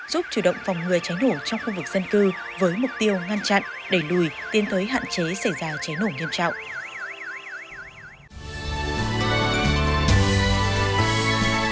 giúp chủ động phòng người cháy nổ trong khu vực dân cư với mục tiêu ngăn chặn đẩy lùi tiến tới hạn chế xảy ra cháy nổ nghiêm trọng